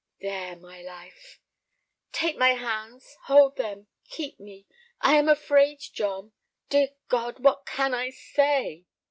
"There, my life." "Take my hands—hold them—keep me; I am afraid, John! Dear God, what can I say!"